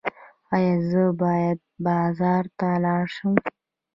ایا زه باید بازار ته لاړ شم؟